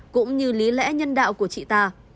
cũng như lý lẽ nhân đạo của chị ta